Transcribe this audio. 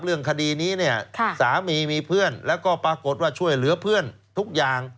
เรื่องคดีนี้เนี่ยสามีมีเพื่อนแล้วก็ปรากฏว่าช่วยเหลือเพื่อนทุกอย่าง